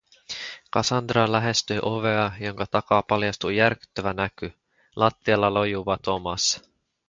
Cassandra lähestyi ovea, jonka takaa paljastui järkyttävä näky - lattialla lojuva Thomas.